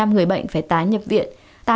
hai mươi người bệnh phải tái nhập viện